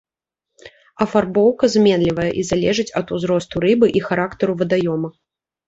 Афарбоўка зменлівая і залежыць ад узросту рыбы і характару вадаёма.